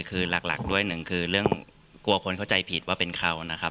คือหลักด้วยหนึ่งคือเรื่องกลัวคนเข้าใจผิดว่าเป็นเขานะครับ